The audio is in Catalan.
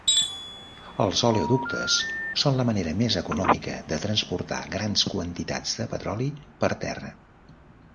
Els oleoductes són la manera més econòmica de transportar grans quantitats de petroli per terra.